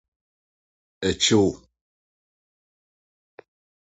Ɛkye Wo?